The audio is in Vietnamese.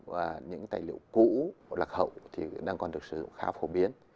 và những tài liệu cũ lạc hậu thì đang còn được sử dụng khá phổ biến